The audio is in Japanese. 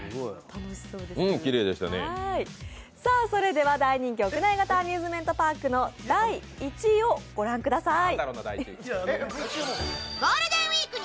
では大人気屋内型アミューズメントパークの第１位を御覧ください。